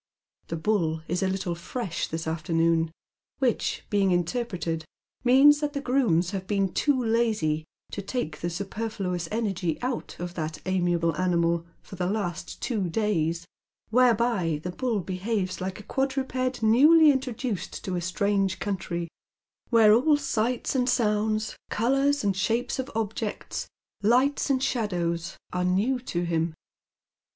The Bull is a little fresh this afternoon, which, being interpreted, means that the grooms have been too lazy to take the superfluous energy out of that amiable animal for the last two days, whereby the Bull behaves like a quad ruped newly introduced to a strange country, where all sights and sounds, colours and shapes of objects, lights and shadows, are new to him.